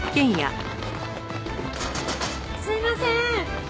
すいません！